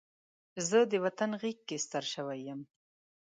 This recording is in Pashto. زه د وطن غېږ کې ستر شوی یم